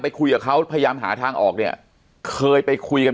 คุยกับเขาพยายามหาทางออกเนี่ยเคยไปคุยกัน